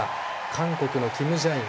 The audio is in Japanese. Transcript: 韓国のキム・ジャイン。